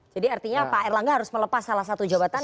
jadi artinya pak erlangga harus melepas salah satu jabatan ya